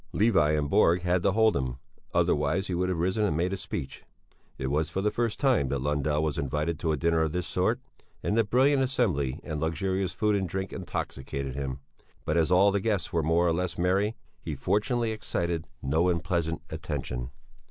Levi and Borg had to hold him, otherwise he would have risen and made a speech. It was for the first time that Lundell was invited to a dinner of this sort, and the brilliant assembly and luxurious food and drink intoxicated him; but as all the guests were more or less merry, he fortunately excited no unpleasant attention.